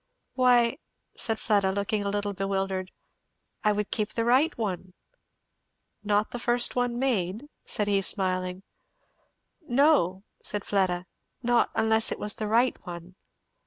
"Why," said Fleda, looking a little bewildered, "I would keep the right one." "Not the one first made?" said he smiling. "No," said Fleda, "not unless it was the right one."